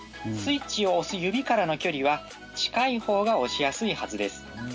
スイッチを押す指からの距離は近い方が押しやすいはずです。